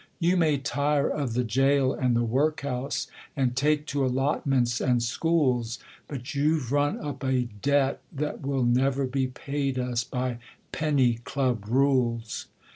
'You may tire of the jail and the workhouse, And take to allotments and schools, But you've run up a debt that will never Be paid us by penny club rules.